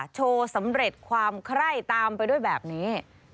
สำเร็จความไคร้ตามไปด้วยแบบนี้